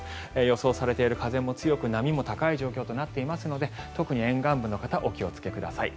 予想されている風も強く波も高い状況となっていますので特に沿岸部の方お気をつけください。